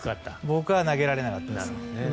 僕は投げられなかったですね。